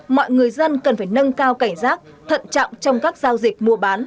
mọi người dân cần phải nâng cao cảnh giác thận trọng trong các giao dịch mua bán